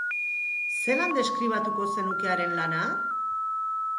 Zelan deskribatuko zenuke haren lana?